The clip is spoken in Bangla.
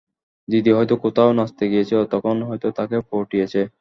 দিদি হয়ত কোথাও নাচতে গিয়েছিল, তখন হয়ত তাকে পটিয়েছে।